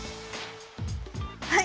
はい！